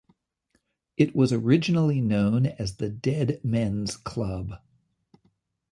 It was originally known as the Dead Men's Club.